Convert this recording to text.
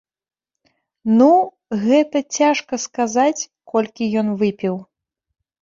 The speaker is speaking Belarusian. Ну, гэта цяжка сказаць, колькі ён выпіў.